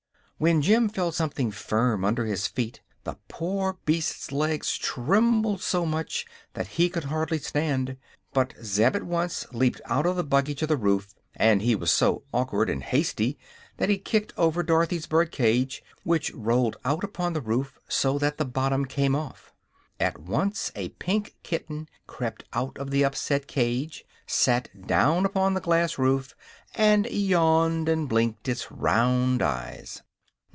When Jim felt something firm under his feet the poor beast's legs trembled so much that he could hardly stand; but Zeb at once leaped out of the buggy to the roof, and he was so awkward and hasty that he kicked over Dorothy's birdcage, which rolled out upon the roof so that the bottom came off. At once a pink kitten crept out of the upset cage, sat down upon the glass roof, and yawned and blinked its round eyes.